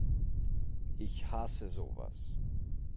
Ich hasse sowas!